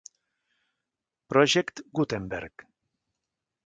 Project Gutenberg.